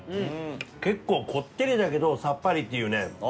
結構こってりだけどさっぱりっていうね。